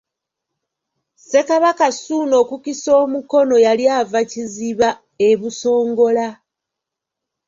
Ssekabaka Ssuuna okukisa omukono yali ava Kiziba e Busongola .